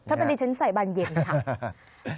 ถ้าเป็นดิฉันใส่บานเย็นค่ะ